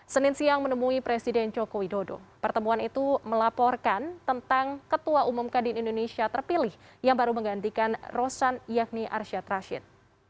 senin siang menemui presiden joko widodo pertemuan itu melaporkan tentang ketua umum kadin indonesia terpilih yang baru menggantikan rosan yakni arsyad rashid